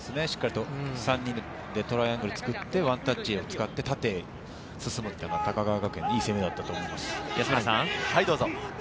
しっかりと３人でトライアングルを作って、ワンタッチを使って縦に進むというのは高川学園、いい攻めだったと思います。